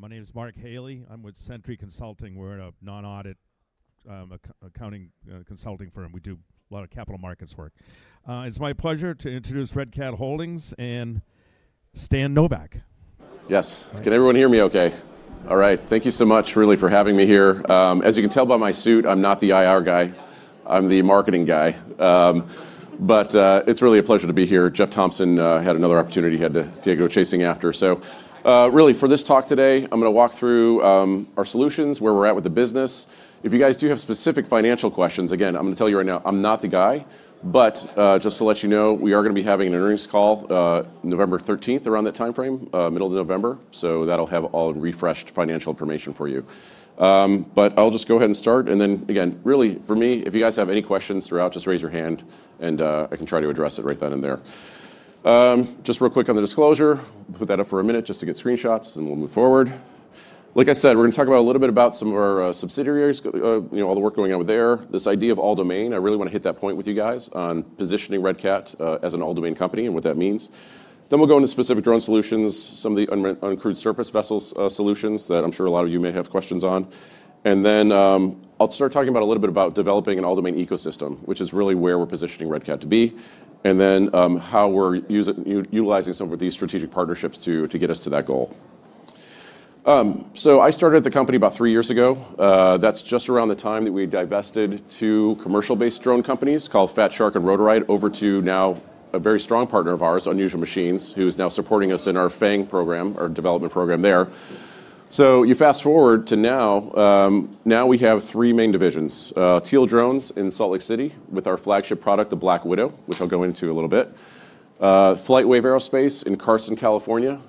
My name is Mark Haley. I'm with Centri Consulting. We're a non-audit accounting consulting firm. We do a lot of capital markets work. It's my pleasure to introduce Red Cat Holdings and Stan Nowak. Yes. Can everyone hear me okay? All right. Thank you so much, really, for having me here. As you can tell by my suit, I'm not the IR guy. I'm the marketing guy. It's really a pleasure to be here. Jeff Thompson had another opportunity he had to go chasing after. For this talk today, I'm going to walk through our solutions, where we're at with the business. If you guys do have specific financial questions, again, I'm going to tell you right now I'm not the guy. Just to let you know, we are going to be having an earnings call November 13, around that time frame, middle of November. That'll have all refreshed financial information for you. I'll just go ahead and start. For me, if you guys have any questions throughout, just raise your hand, and I can try to address it right then and there. Real quick on the disclosure, put that up for a minute just to get screenshots, and we'll move forward. Like I said, we're going to talk a little bit about some of our subsidiaries, all the work going on with there, this idea of all-domain. I really want to hit that point with you guys on positioning Red Cat as an all-domain company and what that means. We'll go into specific drone solutions, some of the uncrewed surface vessels solutions that I'm sure a lot of you may have questions on. I'll start talking a little bit about developing an all-domain ecosystem, which is really where we're positioning Red Cat to be, and then how we're utilizing some of these strategic partnerships to get us to that goal. I started the company about three years ago. That's just around the time that we divested two commercial-based drone companies called Fat Shark and Rotor Riot over to now a very strong partner of ours, Unusual Machines, who is now supporting us in our FANG program, our development program there. You fast forward to now. Now we have three main divisions: Teal Drones in Salt Lake City with our flagship product, the Black Widow, which I'll go into a little bit; FlightWave Aerospace in Carson, Carlifonia.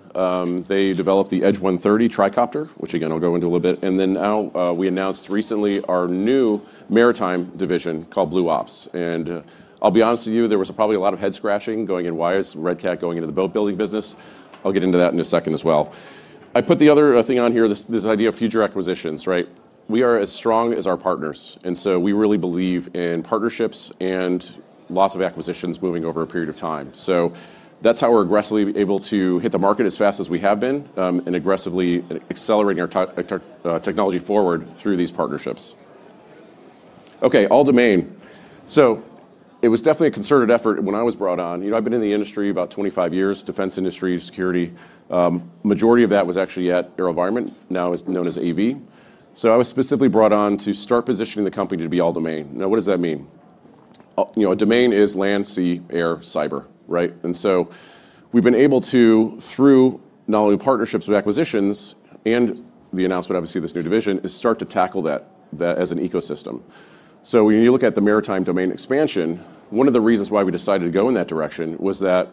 They develop the Edge 130 tri-copter, which again, I'll go into a little bit. Now we announced recently our new maritime division called Blue Ops. I'll be honest with you, there was probably a lot of head-scratching going, and why is Red Cat going into the boat-building business? I'll get into that in a second as well. I put the other thing on here, this idea of future acquisitions. We are as strong as our partners, and so we really believe in partnerships and lots of acquisitions moving over a period of time. That's how we're aggressively able to hit the market as fast as we have been and aggressively accelerating our technology forward through these partnerships. All-domain. It was definitely a concerted effort when I was brought on. I've been in the industry about 25 years, defense industry, security. The majority of that was actually at AeroVironment, now known as AV. I was specifically brought on to start positioning the company to be all-domain. What does that mean? A domain is land, sea, air, cyber. We've been able to, through not only partnerships with acquisitions and the announcement, obviously, of this new division, start to tackle that as an ecosystem. When you look at the maritime domain expansion, one of the reasons why we decided to go in that direction was that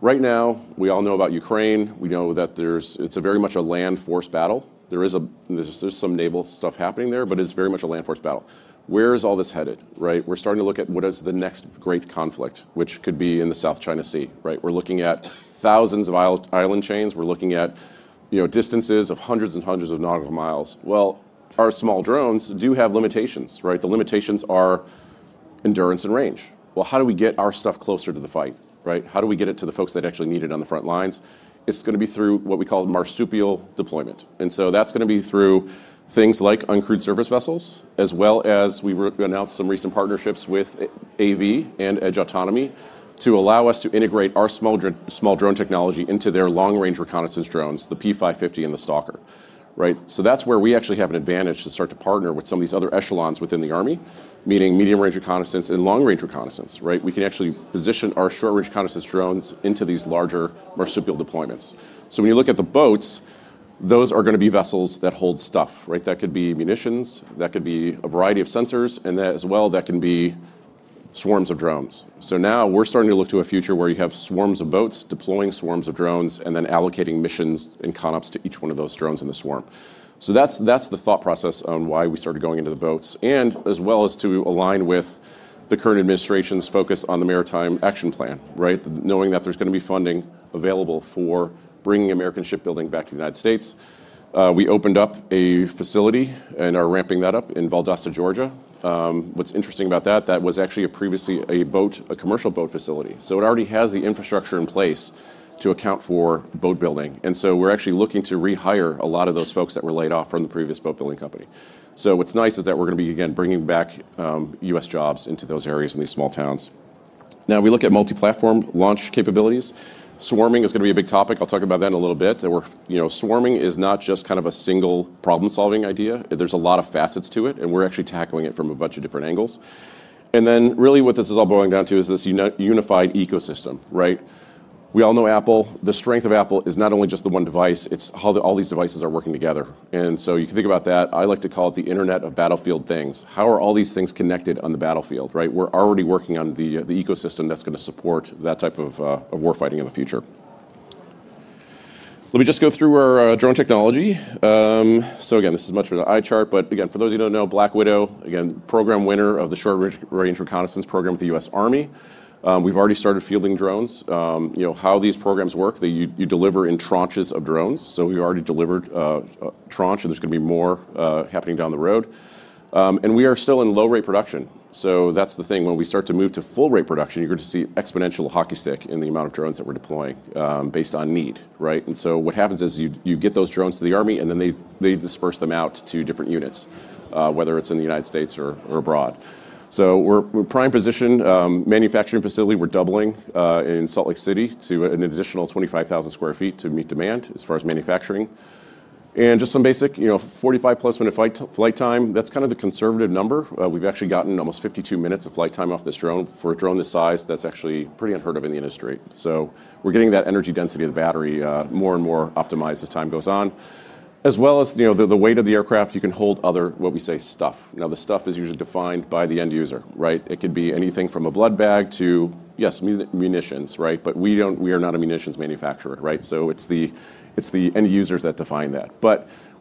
right now we all know about Ukraine. We know that it's very much a land force battle. There is some naval stuff happening there, but it's very much a land force battle. Where is all this headed? We're starting to look at what is the next great conflict, which could be in the South China Sea. We're looking at thousands of island chains. We're looking at distances of hundreds and hundreds of nautical miles. Our small drones do have limitations. The limitations are endurance and range. How do we get our stuff closer to the fight? How do we get it to the folks that actually need it on the front lines? It's going to be through what we call marsupial deployment. That's going to be through things like uncrewed surface vessels, as well as we announced some recent partnerships with AV and Edge Autonomy to allow us to integrate our small drone technology into their long-range reconnaissance drones, the P550 and the Stalker. That's where we actually have an advantage to start to partner with some of these other echelons within the Army, meaning medium-range reconnaissance and long-range reconnaissance. We can actually position our short-range reconnaissance drones into these larger marsupial deployments. When you look at the boats, those are going to be vessels that hold stuff. That could be munitions. That could be a variety of sensors, and as well, that can be swarms of drones. Now we're starting to look to a future where you have swarms of boats deploying swarms of drones and then allocating missions and co-ops to each one of those drones in the swarm. That's the thought process on why we started going into the boats, as well as to align with the current administration's focus on the Maritime Action Plan, knowing that there's going to be funding available for bringing American shipbuilding back to the United States. We opened up a facility and are ramping that up in Valdosta, Georgia. What's interesting about that, that was actually previously a commercial boat facility. It already has the infrastructure in place to account for boat building. We're actually looking to rehire a lot of those folks that were laid off from the previous boat-building company. What's nice is that we're going to be, again, bringing back U.S. jobs into those areas in these small towns. Now, we look at multi-platform launch capabilities. Swarming is going to be a big topic. I'll talk about that in a little bit. Swarming is not just a single problem-solving idea. There are a lot of facets to it, and we're actually tackling it from a bunch of different angles. Really what this is all boiling down to is this unified ecosystem. We all know Apple. The strength of Apple is not only just the one device. It's how all these devices are working together. You can think about that. I like to call it the internet of battlefield things. How are all these things connected on the battlefield? We're already working on the ecosystem that's going to support that type of warfighting in the future. Let me just go through our drone technology. This is much of an eye chart. For those who don't know, Black Widow, again, program winner of the Short Range Reconnaissance program with the U.S. Army. We've already started fielding drones. How these programs work, you deliver in tranches of drones. We've already delivered a tranche, and there's going to be more happening down the road. We are still in low-rate production. That's the thing. When we start to move to full-rate production, you're going to see exponential hockey stick in the amount of drones that we're deploying based on need. What happens is you get those drones to the Army, and then they disperse them out to different units, whether it's in the United States or abroad. We're prime position. Manufacturing facility. We're doubling in Salt Lake City to an additional 25,000 square feet to meet demand as far as manufacturing. Just some basic, 45+ minutes flight time. That's kind of the conservative number. We've actually gotten almost 52 minutes of flight time off this drone for a drone this size. That's actually pretty unheard of in the industry. We're getting that energy density of the battery more and more optimized as time goes on, as well as the weight of the aircraft. You can hold other, what we say, stuff. The stuff is usually defined by the end user. It could be anything from a blood bag to, yes, munitions. We are not a munitions manufacturer. It's the end users that define that.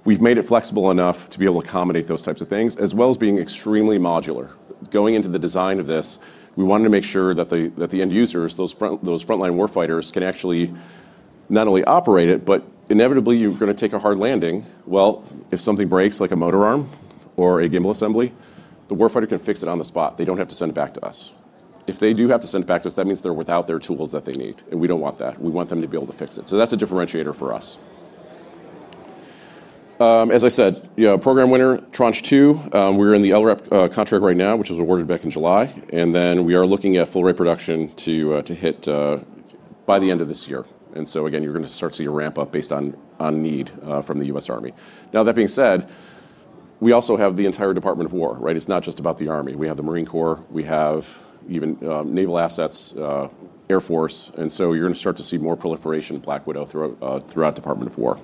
We've made it flexible enough to be able to accommodate those types of things, as well as being extremely modular. Going into the design of this, we wanted to make sure that the end users, those frontline warfighters, can actually not only operate it, but inevitably, you're going to take a hard landing. If something breaks, like a motor arm or a gimbal assembly, the warfighter can fix it on the spot. They don't have to send it back to us. If they do have to send it back to us, that means they're without their tools that they need. We don't want that. We want them to be able to fix it. That's a differentiator for us. As I said, program winner, tranche two. We're in the LRIP contract right now, which was awarded back in July. We are looking at full-rate production to hit by the end of this year. Again, you're going to start to see a ramp up based on need from the U.S. Army. That being said, we also have the entire Department of War. It's not just about the Army. We have the Marine Corps. We have even naval assets, Air Force. You're going to start to see more proliferation of Black Widow throughout Department of War.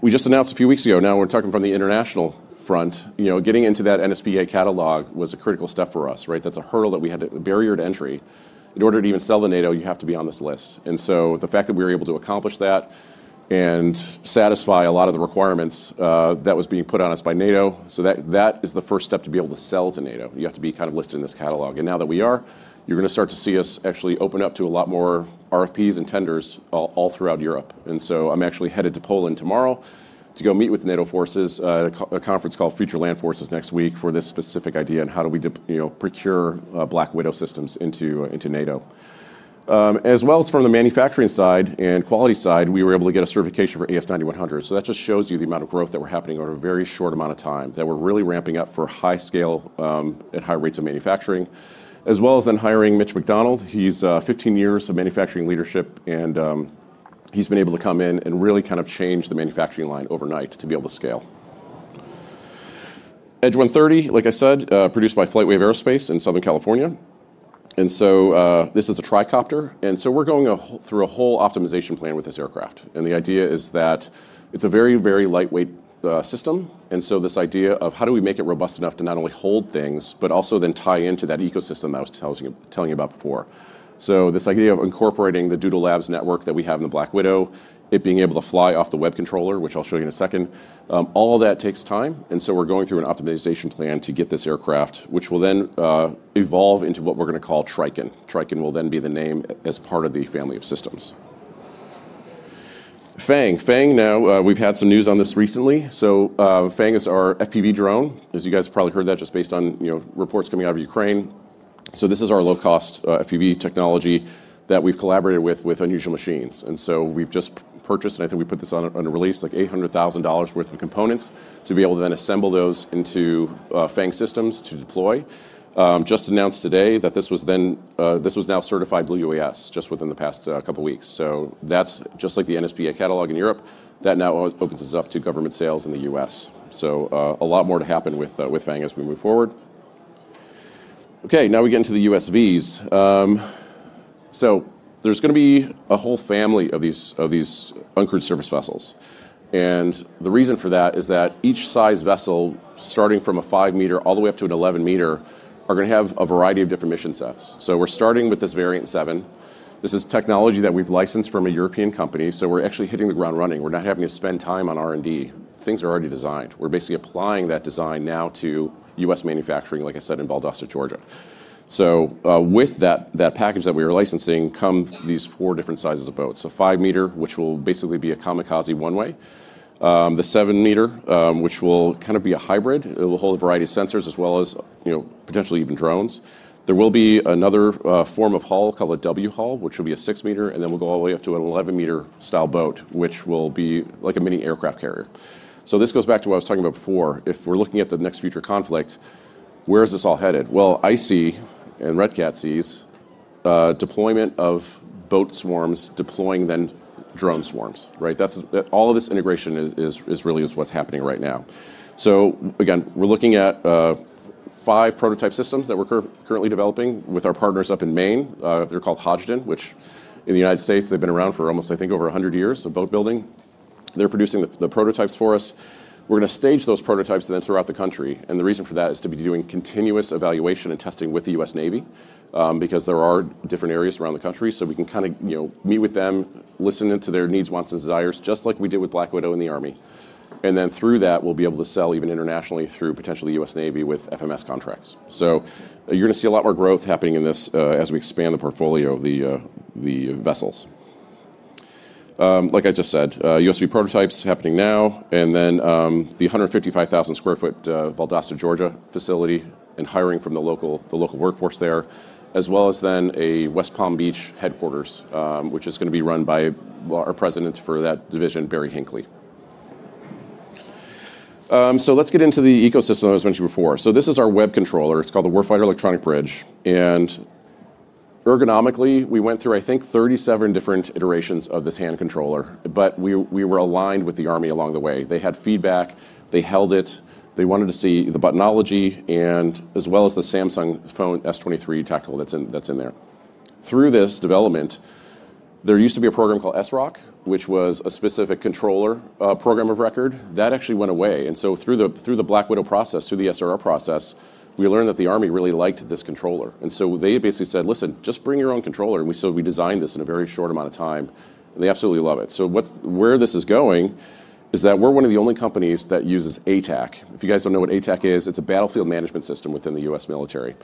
We just announced a few weeks ago. Now we're talking from the international front. Getting into that NSPA catalog was a critical step for us. That's a hurdle that we had, a barrier to entry. In order to even sell to NATO, you have to be on this list. The fact that we were able to accomplish that and satisfy a lot of the requirements that was being put on us by NATO, that is the first step to be able to sell to NATO. You have to be kind of listed in this catalog. Now that we are, you're going to start to see us actually open up to a lot more RFPs and tenders all throughout Europe. I'm actually headed to Poland tomorrow to go meet with NATO forces, a conference called Future Land Forces next week for this specific idea on how do we procure Black Widow systems into NATO. As well as from the manufacturing side and quality side, we were able to get a certification for AS9100. That just shows you the amount of growth that we're having over a very short amount of time, that we're really ramping up for high scale and high rates of manufacturing, as well as then hiring Mitch McDonald. He's 15 years of manufacturing leadership. He's been able to come in and really kind of change the manufacturing line overnight to be able to scale. Edge 130, like I said, produced by FlightWave Aerospace in Southern California. This is a tri-copter. We're going through a whole optimization plan with this aircraft. The idea is that it's a very, very lightweight system. This idea of how do we make it robust enough to not only hold things, but also then tie into that ecosystem I was telling you about before. This idea of incorporating the Doodle Labs network that we have in the Black Widow, it being able to fly off the web controller, which I'll show you in a second, all that takes time. We're going through an optimization plan to get this aircraft, which will then evolve into what we're going to call Trikon. Trikon will then be the name as part of the family of systems. FANG. FANG, now we've had some news on this recently. FANG is our FPV drone. As you guys probably heard that just based on reports coming out of Ukraine. This is our low-cost FPV technology that we've collaborated with, with Unusual Machines. We've just purchased, and I think we put this on a release, like $800,000 worth of components to be able to then assemble those into FANG systems to deploy. Just announced today that this was now certified Blue UAS just within the past couple of weeks. That's just like the NSPA catalog in Europe. That now opens us up to government sales in the U.S. A lot more to happen with FANG as we move forward. Now we get into the USVs. There's going to be a whole family of these uncrewed surface vessels. The reason for that is that each size vessel, starting from a 5 m all the way up to an 11 m, are going to have a variety of different mission sets. We're starting with this Variant 7. This is technology that we've licensed from a European company. We're actually hitting the ground running. We're not having to spend time on R&D. Things are already designed. We're basically applying that design now to U.S. manufacturing, like I said, in Valdosta, Georgia. With that package that we are licensing come these four different sizes of boats: 5 m, which will basically be a kamikaze one-way; the 7 m, which will kind of be a hybrid and will hold a variety of sensors, as well as potentially even drones; another form of hull called a W hull, which will be a 6 meter; and then all the way up to an 11 m style boat, which will be like a mini aircraft carrier. This goes back to what I was talking about before. If we're looking at the next future conflict, where is this all headed? I see, and Red Cat sees, deployment of boat swarms deploying then drone swarms. All of this integration is really what's happening right now. We're looking at five prototype systems that we're currently developing with our partners up in Maine. They're called Hodgdon, which in the United States, they've been around for almost, I think, over 100 years of boat building. They're producing the prototypes for us. We're going to stage those prototypes throughout the country. The reason for that is to be doing continuous evaluation and testing with the U.S. Navy because there are different areas around the country. We can meet with them, listen to their needs, wants, and desires, just like we did with Black Widow in the Army. Through that, we'll be able to sell even internationally through potentially the U.S. Navy with FMS contracts. You're going to see a lot more growth happening in this as we expand the portfolio of the vessels. Like I just said, USV prototypes are happening now, and then the 155,000 square foot Valdosta, Georgia facility and hiring from the local workforce there, as well as a West Palm Beach headquarters, which is going to be run by our President for that division, Barry Hinckley. Let's get into the ecosystem I was mentioning before. This is our web controller. It's called the Warfighter Electronic Bridge. Ergonomically, we went through, I think, 37 different iterations of this hand controller. We were aligned with the Army along the way. They had feedback. They held it. They wanted to see the buttonology, as well as the Samsung Phone S23 Tactical that's in there. Through this development. There used to be a program called SRoC, which was a specific controller program of record. That actually went away. Through the Black Widow process, through the SRo process, we learned that the Army really liked this controller. They basically said, listen, just bring your own controller. We designed this in a very short amount of time, and they absolutely love it. Where this is going is that we're one of the only companies that uses ATAC. If you guys don't know what ATAC is, it's a battlefield management system within the U.S. military,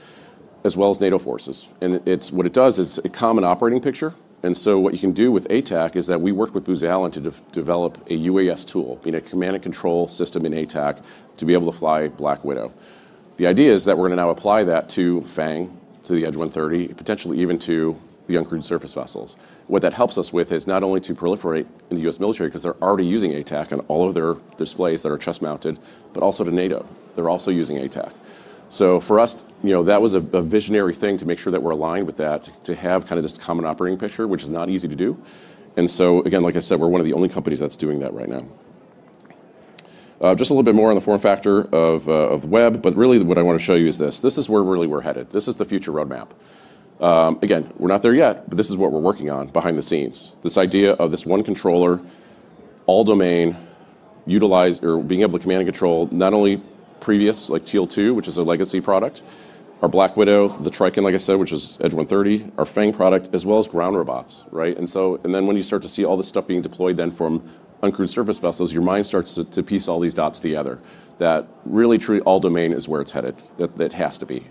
as well as NATO forces. What it does is a common operating picture. What you can do with ATAC is that we worked with Booz Allen to develop a UAS tool, a command and control system in ATAC to be able to fly Black Widow. The idea is that we're going to now apply that to FANG, to the Edge 130, potentially even to the uncrewed surface vessels. What that helps us with is not only to proliferate in the U.S. military because they're already using ATAC on all of their displays that are chest mounted, but also to NATO. They're also using ATAC. For us, that was a visionary thing to make sure that we're aligned with that, to have kind of this common operating picture, which is not easy to do. Again, like I said, we're one of the only companies that's doing that right now. Just a little bit more on the form factor of web. What I want to show you is this. This is where really we're headed. This is the future roadmap. Again, we're not there yet, but this is what we're working on behind the scenes. This idea of this one controller, all domain, utilize or being able to command and control not only previous, like Teal 2, which is a legacy product, our Black Widow, the Trikon, like I said, which is Edge 130, our FANG product, as well as ground robots. When you start to see all this stuff being deployed then from uncrewed surface vessels, your mind starts to piece all these dots together that really, truly, all domain is where it's headed. That it has to be.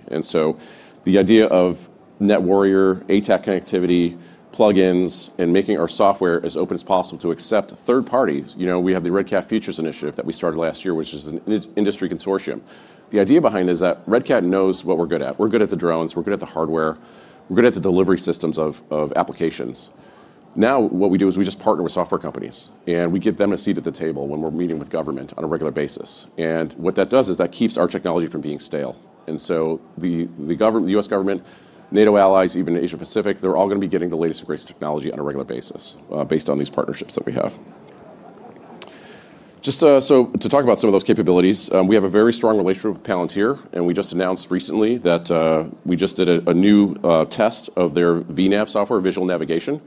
The idea of NetWarrior, ATAC connectivity, plug-ins, and making our software as open as possible to accept third parties. We have the Red Cat Futures initiative that we started last year, which is an industry consortium. The idea behind it is that Red Cat knows what we're good at. We're good at the drones. We're good at the hardware. We're good at the delivery systems of applications. Now what we do is we just partner with software companies, and we give them a seat at the table when we're meeting with government on a regular basis. What that does is that keeps our technology from being stale. The U.S. government, NATO allies, even Asia-Pacific, they're all going to be getting the latest and greatest technology on a regular basis based on these partnerships that we have. Just to talk about some of those capabilities, we have a very strong relationship with Palantir, and we just announced recently that we just did a new test of their VNav software, visual navigation.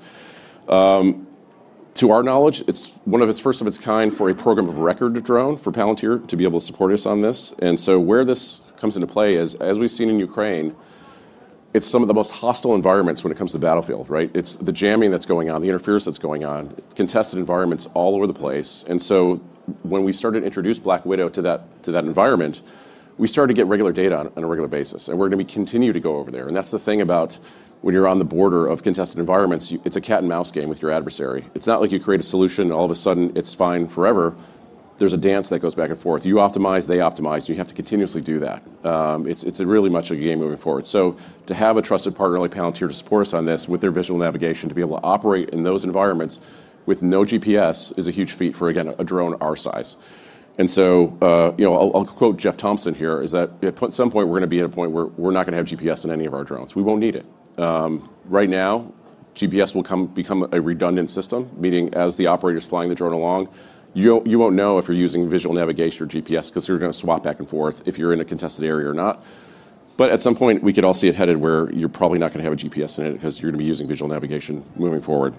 To our knowledge, it's one of its first of its kind for a program of record drone for Palantir to be able to support us on this. Where this comes into play is, as we've seen in Ukraine, it's some of the most hostile environments when it comes to the battlefield. It's the jamming that's going on, the interference that's going on, contested environments all over the place. When we started to introduce Black Widow to that environment, we started to get regular data on a regular basis, and we're going to continue to go over there. That's the thing about when you're on the border of contested environments, it's a cat and mouse game with your adversary. It's not like you create a solution and all of a sudden it's fine forever. There's a dance that goes back and forth. You optimize, they optimize. You have to continuously do that. It's really much a game moving forward. To have a trusted partner like Palantir to support us on this with their visual navigation, to be able to operate in those environments with no GPS, is a huge feat for, again, a drone our size. I'll quote Jeff Thompson here, is that at some point we're going to be at a point where we're not going to have GPS in any of our drones. We won't need it. Right now, GPS will become a redundant system, meaning as the operator is flying the drone along, you won't know if you're using visual navigation or GPS because you're going to swap back and forth if you're in a contested area or not. At some point, we could all see it headed where you're probably not going to have a GPS in it because you're going to be using visual navigation moving forward.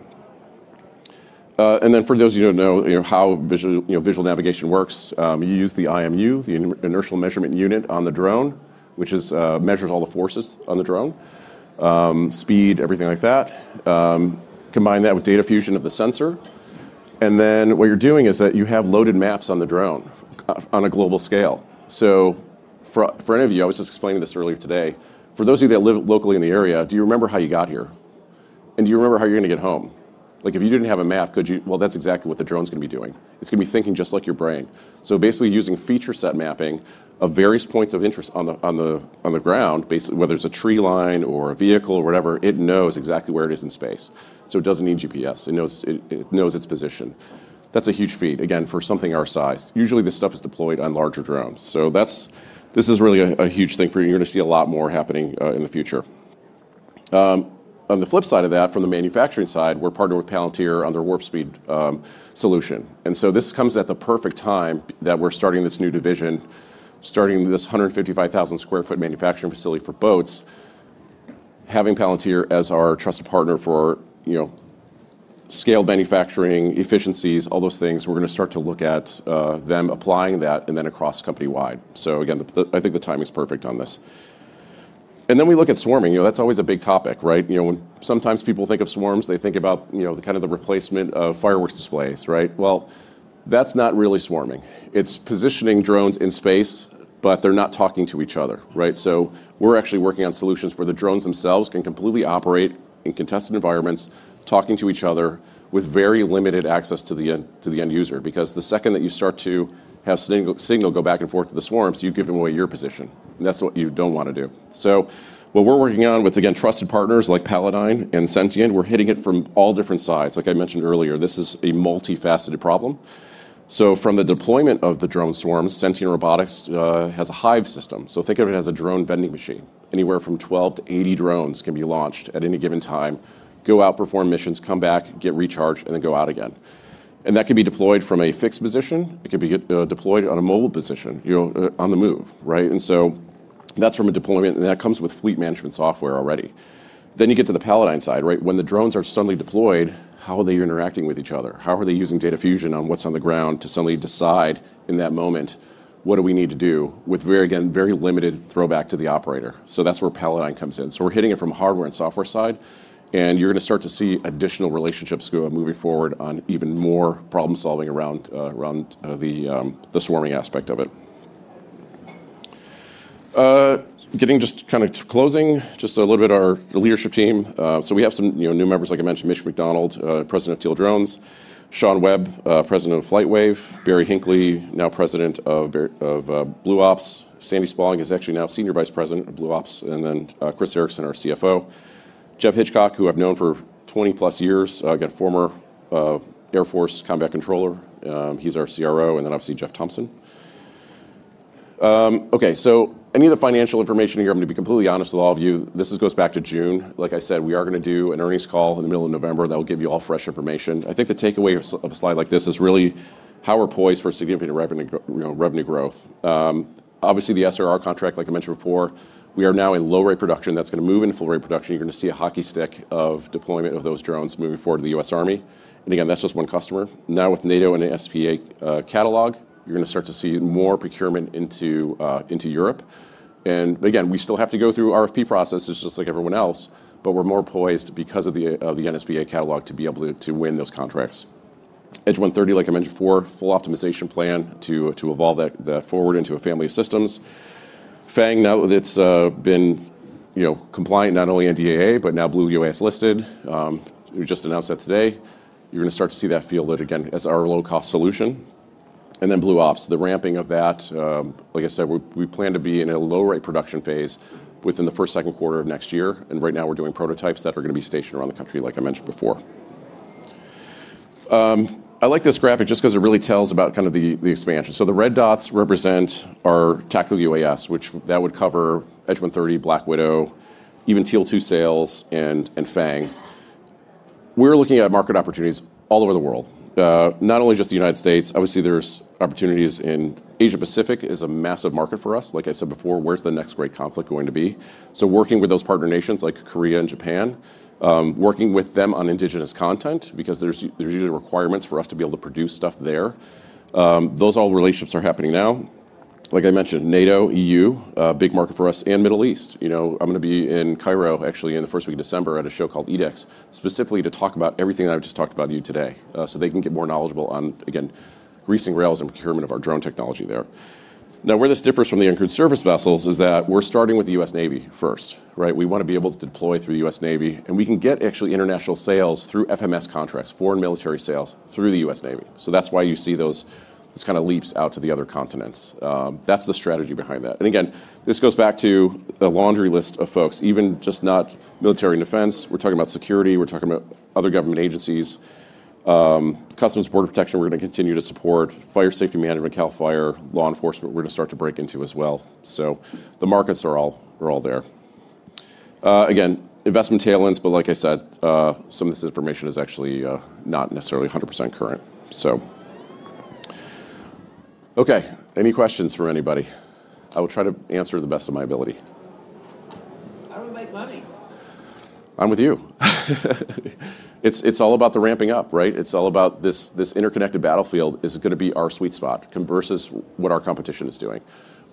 For those of you who don't know how visual navigation works, you use the IMU, the Inertial Measurement Unit, on the drone, which measures all the forces on the drone. Speed, everything like that. Combine that with data fusion of the sensor, and then what you're doing is that you have loaded maps on the drone on a global scale. For any of you, I was just explaining this earlier today, for those of you that live locally in the area, do you remember how you got here? Do you remember how you're going to get home? If you didn't have a map, could you? That's exactly what the drone is going to be doing. It's going to be thinking just like your brain. Basically, using feature set mapping of various points of interest on the ground, whether it's a tree line or a vehicle or whatever, it knows exactly where it is in space. It doesn't need GPS. It knows its position. That's a huge feat, again, for something our size. Usually, this stuff is deployed on larger drones. This is really a huge thing for you. You're going to see a lot more happening in the future. On the flip side of that, from the manufacturing side, we're partnered with Palantir on their Warp Speed solution. This comes at the perfect time that we're starting this new division, starting this 155,000 square foot manufacturing facility for boats. Having Palantir as our trusted partner for scale manufacturing, efficiencies, all those things, we're going to start to look at them applying that and then across company wide. I think the timing is perfect on this. We look at swarming. That's always a big topic. Sometimes people think of swarms, they think about kind of the replacement of fireworks displays. That's not really swarming. It's positioning drones in space, but they're not talking to each other. We're actually working on solutions where the drones themselves can completely operate in contested environments, talking to each other with very limited access to the end user. The second that you start to have signal go back and forth to the swarms, you give away your position. That's what you don't want to do. We're working on this with, again, trusted partners like Palantir and Sentien, and we're hitting it from all different sides. Like I mentioned earlier, this is a multifaceted problem. From the deployment of the drone swarms, Sentien Robotics has a Hive system. Think of it as a drone vending machine. Anywhere from 12 drones-80 drones can be launched at any given time, go out, perform missions, come back, get recharged, and then go out again. That can be deployed from a fixed position. It can be deployed on a mobile position, on the move. That's from a deployment, and that comes with fleet management software already. Then you get to the Palantir side. When the drones are suddenly deployed, how are they interacting with each other? How are they using data fusion on what's on the ground to suddenly decide in that moment, what do we need to do with, again, very limited throwback to the operator? That's where Palantir comes in. We're hitting it from a hardware and software side. You're going to start to see additional relationships go moving forward on even more problem solving around the swarming aspect of it. Just kind of closing, just a little bit of our leadership team. We have some new members, like I mentioned, Mitch McDonald, President of Teal Drones, Shawn Webb, President of FlightWave, Barry Hinckley, now President of Blue Ops, Sandy Spaulding is actually now Senior Vice President of Blue Ops, and then Chris Ericson, our CFO. Geoff Hitchcock, who I've known for 20 plus years, again, former Air Force combat controller, he's our CRO, and then obviously Jeff Thompson. Any of the financial information here, I'm going to be completely honest with all of you. This goes back to June. Like I said, we are going to do an earnings call in the middle of November that will give you all fresh information. I think the takeaway of a slide like this is really how we're poised for significant revenue growth. Obviously, the Short Range Reconnaissance contract, like I mentioned before, we are now in low rate production. That's going to move into full rate production. You're going to see a hockey stick of deployment of those drones moving forward to the U.S. Army. That's just one customer. Now with NATO and the NSPA catalog, you're going to start to see more procurement into Europe. We still have to go through RFP processes, just like everyone else, but we're more poised because of the NSPA catalog to be able to win those contracts. Edge 130, like I mentioned before, full optimization plan to evolve that forward into a family of systems. FANG, now that it's been compliant not only NDAA, but now Blue UAS listed, we just announced that today. You're going to start to see that feel that, again, as our low cost solution. Blue Ops, the ramping of that, like I said, we plan to be in a low rate production phase within the first, second quarter of next year. Right now, we're doing prototypes that are going to be stationed around the country, like I mentioned before. I like this graphic just because it really tells about kind of the expansion. The red dots represent our tactical UAS, which would cover Edge 130, Black Widow, even Teal 2 sales and FANG. We're looking at market opportunities all over the world, not only just the United States. Obviously, there are opportunities in Asia-Pacific, which is a massive market for us. Like I said before, where's the next great conflict going to be? Working with those partner nations like Korea and Japan, working with them on indigenous content because there are usually requirements for us to be able to produce stuff there. Those relationships are happening now. Like I mentioned, NATO, EU, big market for us, and Middle East. I'm going to be in Cairo, actually, in the first week of December at a show called EdX, specifically to talk about everything that I've just talked about to you today so they can get more knowledgeable on, again, greasing rails and procurement of our drone technology there. Where this differs from the uncrewed surface vessels is that we're starting with the U.S. Navy first. We want to be able to deploy through the U.S. Navy, and we can get international sales through FMS contracts, foreign military sales through the U.S. Navy. That's why you see those leaps out to the other continents. That's the strategy behind that. This goes back to a laundry list of folks, not just military and defense. We're talking about security, other government agencies, Customs and Border Protection. We're going to continue to support fire safety management, Cal Fire, law enforcement, which we're going to start to break into as well. The markets are all there. Investment tail ends, but like I said, some of this information is actually not necessarily 100% current. Any questions for anybody? I will try to answer to the best of my ability. How do we make money? I'm with you. It's all about the ramping up. It's all about this interconnected battlefield being our sweet spot versus what our competition is doing.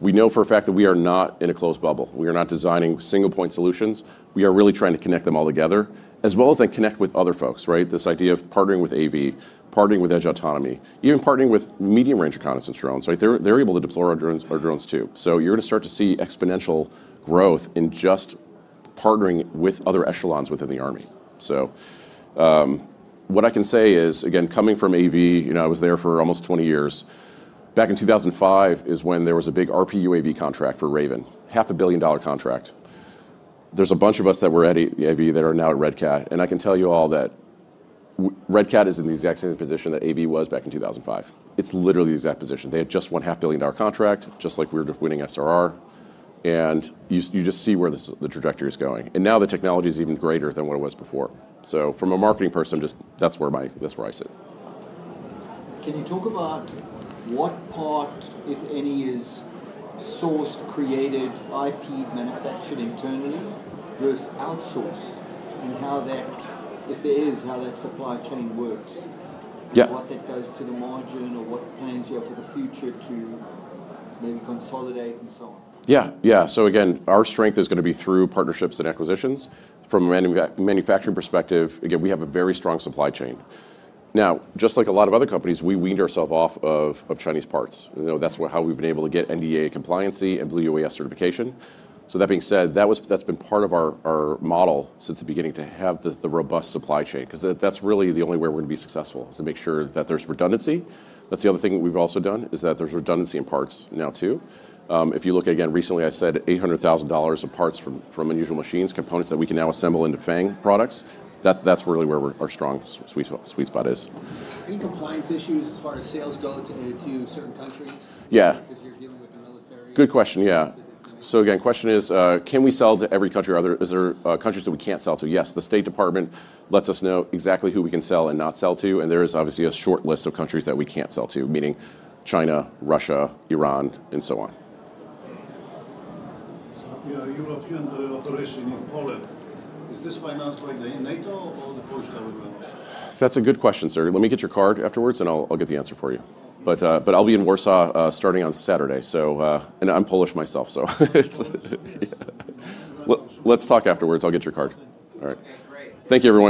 We know for a fact that we are not in a closed bubble. We are not designing single point solutions. We are really trying to connect them all together, as well as then connect with other folks. This idea of partnering with AV, partnering with Edge Autonomy, even partnering with medium range reconnaissance drones. They're able to deploy our drones too. You're going to start to see exponential growth in just partnering with other echelons within the Army. What I can say is, again, coming from AV, I was there for almost 20 years. Back in 2005 is when there was a big RPUAV contract for Raven, half a billion dollar contract. There's a bunch of us that were at AV that are now at Red Cat. I can tell you all that Red Cat is in the exact same position that AV was back in 2005. It's literally the exact position. They had just won a half billion dollar contract, just like we were winning SRR. You just see where the trajectory is going. Now the technology is even greater than what it was before. From a marketing person, that's where I sit. Can you talk about what part, if any, is sourced, created, IP manufactured internally versus outsourced, and how that, if there is, how that supply chain works? What that does to the margin or what plans you have for the future to maybe consolidate and so on? Yeah, yeah. Again, our strength is going to be through partnerships and acquisitions. From a manufacturing perspective, again, we have a very strong supply chain. Now, just like a lot of other companies, we weaned ourselves off of Chinese parts. That's how we've been able to get NDAA compliancy and Blue UAS certification. That being said, that's been part of our model since the beginning to have the robust supply chain because that's really the only way we're going to be successful is to make sure that there's redundancy. That's the other thing we've also done is that there's redundancy in parts now too. If you look again, recently I said $800,000 of parts from Unusual Machines, components that we can now assemble into FANG products. That's really where our strong sweet spot is. Any compliance issues as far as sales go to certain countries? Yeah. Because you're dealing with the military? Good question, yeah. The question is, can we sell to every country? Are there countries that we can't sell to? Yes. The State Department lets us know exactly who we can sell and not sell to. There is obviously a short list of countries that we can't sell to, meaning China, Russia, Iran, and so on. European operation in Poland, is this financed by NATO or the Polish government also? That's a good question, sir. Let me get your card afterwards, and I'll get the answer for you. I'll be in Warsaw starting on Saturday. I'm Polish myself. Let's talk afterwards. I'll get your card. All right. Thank you everyone.